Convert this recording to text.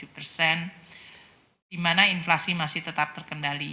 lima tujuh belas persen di mana inflasi masih tetap terkendali